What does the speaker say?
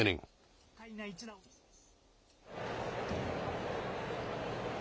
豪快な一打を見せます。